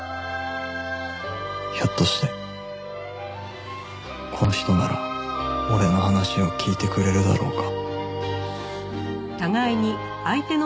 ひょっとしてこの人なら俺の話を聞いてくれるだろうか